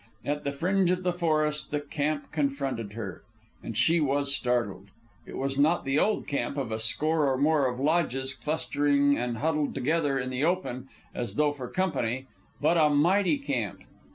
At the fringe of the forest, the camp confronted her. And she was startled. It was not the old camp of a score or more of lodges clustering and huddling together in the open as though for company, but a mighty camp.